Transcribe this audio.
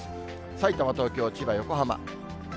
さいたま、東京、千葉、横浜。